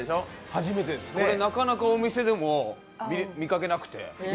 初めてです、なかなかお店でも見かけなくて。